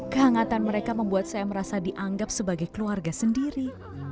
kehangatan mereka membuat saya merasa dianggap sebagai keluarga sendiri